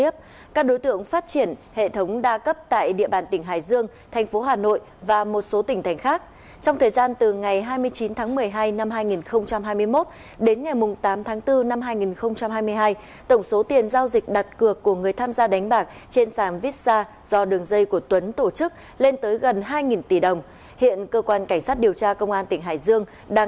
một đường dây đánh bạc và tổ chức đánh bạc trên không gian mạng với số tiền giao dịch đạt cược lên tới gần hai tỷ đồng lần đầu tiên xảy ra tại tỉnh hải dương vừa bị cơ quan cảnh sát điều tra công an tỉnh hải dương bóc